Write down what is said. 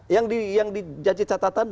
yang dijadikan catatan